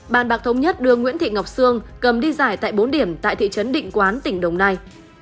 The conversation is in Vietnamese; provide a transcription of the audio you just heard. bàn bạc thống nhất đưa nguyễn thị ngọc sương cầm đi giải tại bốn điểm tại thị trấn định quán tỉnh đồng nai